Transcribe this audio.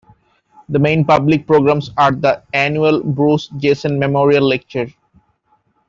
The main public programs are the annual Bruce Jesson Memorial Lecture.